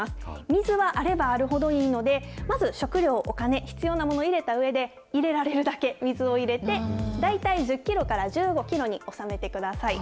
水はあればあるほどいいので、まず食料、お金、必要なもの入れたうえで、入れられるだけ水を入れて、大体１０キロから１５キロに収めてください。